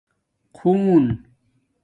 خُݸن